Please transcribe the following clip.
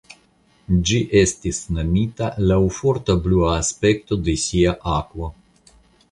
Ĝi estis nomita laŭ forta blua aspekto de sia akvo.